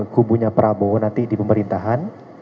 kubunya prabowo nanti di pemerintahan